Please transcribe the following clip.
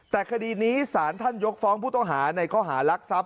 แต่คดีนี้สารท่านยกฟ้องผู้ต้องหาในข้อหารักทรัพย